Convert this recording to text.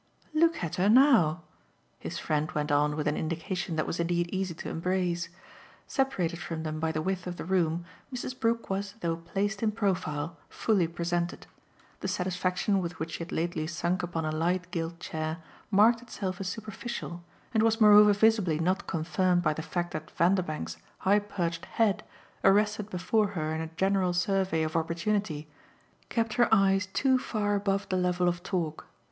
"Look at her now," his friend went on with an indication that was indeed easy to embrace. Separated from them by the width of the room, Mrs. Brook was, though placed in profile, fully presented; the satisfaction with which she had lately sunk upon a light gilt chair marked itself as superficial and was moreover visibly not confirmed by the fact that Vanderbank's high perched head, arrested before her in a general survey of opportunity, kept her eyes too far above the level of talk.